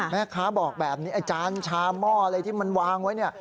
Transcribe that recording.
แม่คะบอกแบบนี้จานชาหม้ออะไรที่มันวางไว้